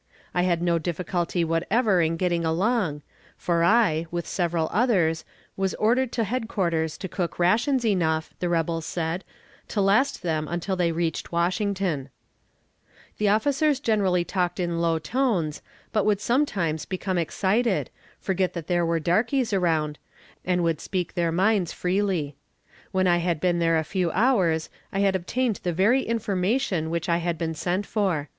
I had no difficulty whatever in getting along, for I, with several others, was ordered to headquarters to cook rations enough, the rebels said, to last them until they reached Washington. [Illustration: AT REBEL HEADQUARTERS. Page 263.] The officers generally talked in low tones, but would sometimes become excited, forget that there were darkies around, and would speak their minds freely. When I had been there a few hours, I had obtained the very information which I had been sent for.